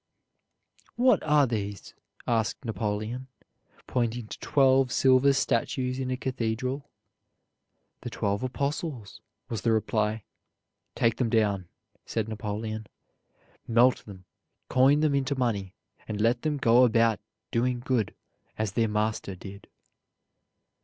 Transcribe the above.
"What are these?" asked Napoleon, pointing to twelve silver statues in a cathedral. "The twelve Apostles," was the reply. "Take them down," said Napoleon, "melt them, coin them into money, and let them go about doing good, as their Master did."